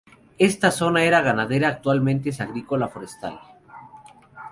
Esta zona era ganadera, actualmente es agrícola-forestal.